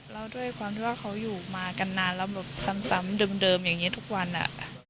แล้วด้วยความที่ว่าเขาอยู่มากันนานแล้วแบบซ้ำเดิมอย่างนี้ทุกวันอะ